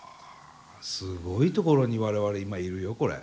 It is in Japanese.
すごいところに我々今いるよこれ。